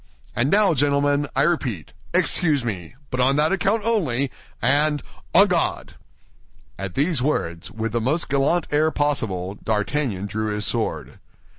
And now, gentlemen, I repeat, excuse me, but on that account only, and—on guard!" At these words, with the most gallant air possible, D'Artagnan drew his sword.